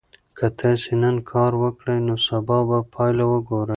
که تاسي نن کار وکړئ نو سبا به پایله وګورئ.